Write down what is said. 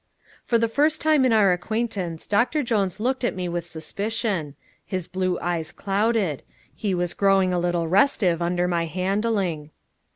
For the first time in our acquaintance Doctor Jones looked at me with suspicion. His blue eyes clouded. He was growing a little restive under my handling.